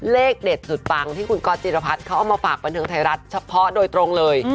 เลขเด็ดสุดปังที่คุณก๊อตจิรพัฒน์เขาเอามาฝากบันเทิงไทยรัฐเฉพาะโดยตรงเลย